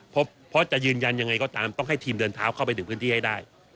เพราะจะยืนยันยังไงก็ตามต้องให้ทีมเดินเท้าเข้าไปถึงพื้นที่ให้ได้